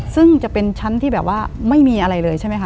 ซึ่งจะเป็นชั้นที่แบบว่าไม่มีอะไรเลยใช่ไหมคะ